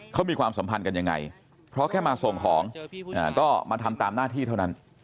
เขามีความสัมพันธ์กันยังไงเพราะแค่มาส่งของก็มาทำตามหน้าที่เท่านั้น